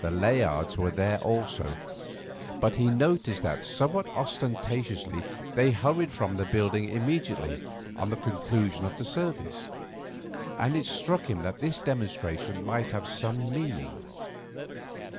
The Layards were there also, but he noticed that, somewhat ostentatiously, they hurried from the building immediately on the conclusion of the service, and it struck him that this demonstration might have some meaning.